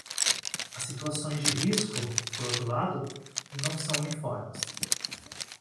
As situações de risco, por outro lado, não são uniformes.